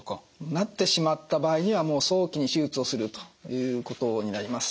なってしまった場合には早期に手術をするということになります。